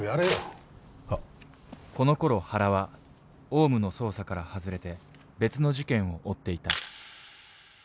このころ原はオウムの捜査から外れて別の事件を追っていた。